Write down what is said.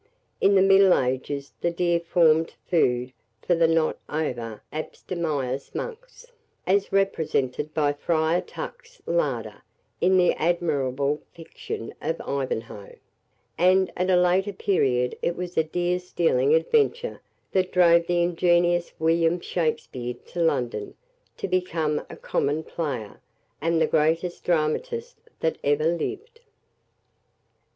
In the middle ages the deer formed food for the not over abstemious monks, as represented by Friar Tuck's larder, in the admirable fiction of "Ivanhoe;" and at a later period it was a deer stealing adventure that drove the "ingenious" William Shakspeare to London, to become a common player, and the greatest dramatist that ever lived.